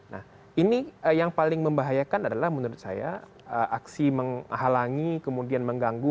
nah ini yang paling membahayakan adalah menurut saya aksi menghalangi kemudian mengganggu